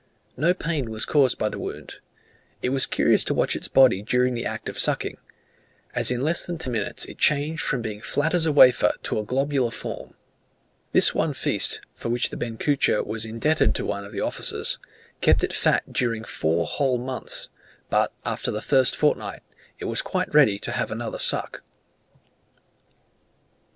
No pain was caused by the wound. It was curious to watch its body during the act of sucking, as in less than ten minutes it changed from being as flat as a wafer to a globular form. This one feast, for which the benchuca was indebted to one of the officers, kept it fat during four whole months; but, after the first fortnight, it was quite ready to have another suck.